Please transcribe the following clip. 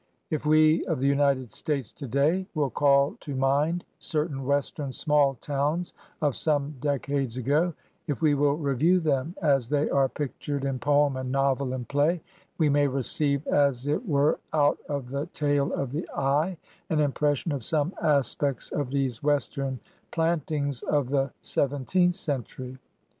If we of the United States today will call to mind certain Western small towns of some decades ago — if we will review them as they are pictured in poem and novel and play — we may receive, as it were out of the tail of the eye, an impression of some aspects of these western plantings of the sev enteenth century.